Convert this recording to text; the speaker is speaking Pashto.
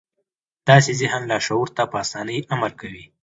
داسې ذهن لاشعور ته په اسانۍ امر کوي